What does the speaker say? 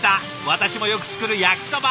私もよく作る焼きそば！